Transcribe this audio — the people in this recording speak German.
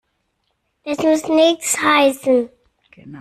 Das muss nichts heißen.